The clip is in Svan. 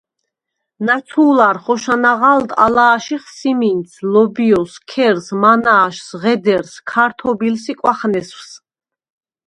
ნაცუ̄ლარ ხოშა ნაღალდ ალა̄შიხ: სიმინდს, ლობჲოს, ქერს, მანა̄შს, ღედერს, ქართობილს ი კვახნესვს.